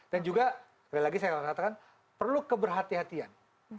dan juga sekali lagi saya akan katakan perlu keberhatian hatian